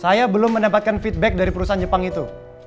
saya belum mendapatkan feedback dari perusahaan jepang itu